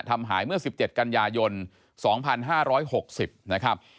หายเมื่อ๑๗กันยายน๒๕๖๐นะครับ